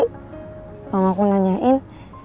kalau aku nanyain